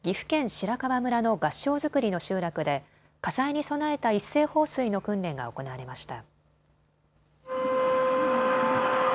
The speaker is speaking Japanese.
白川村の合掌造りの集落で火災に備えた一斉放水の訓練が行われました。